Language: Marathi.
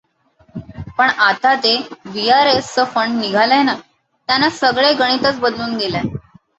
‘‘पण आता हे व्हीआरएसचंं फंड निघालंय ना, त्यानं सगळे गणितच बदलून गेलंय.